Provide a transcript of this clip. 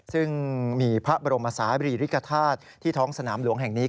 ซึ่งมีพระบรมศาบรีริกฐาตุที่ท้องสนามหลวงแห่งนี้